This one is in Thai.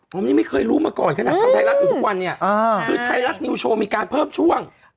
ผมยังไม่เคยรู้มาก่อนขนาดทำไทยรัฐอยู่ทุกวันเนี่ยคือไทยรัฐนิวโชว์มีการเพิ่มช่วง